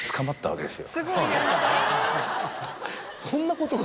そんなことが。